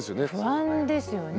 不安ですよね